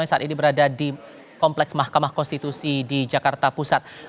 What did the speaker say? yang saat ini berada di kompleks mahkamah konstitusi di jakarta pusat